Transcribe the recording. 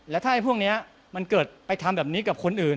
แล้วถ้าพวกนี้มันเกิดไปทำแบบนี้กับคนอื่น